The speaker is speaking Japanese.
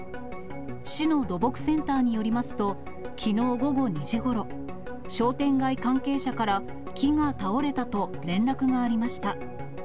市の土木センターによりますと、きのう午後２時ごろ、商店街関係者から、木が倒れたと連絡がありました。